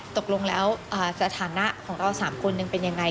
ตกลงแล้วสถานะของเรา๓คนหนึ่งเป็นยังไง